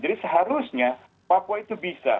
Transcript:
jadi seharusnya papua itu bisa